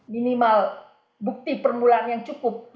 minimal bukti permulaan yang cukup